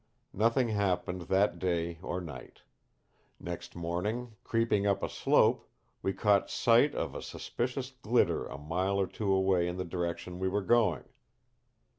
"Nothing happened that day or night. Next morning, creeping up a slope, we caught sight of a suspicious glitter a mile or two away in the direction we were going.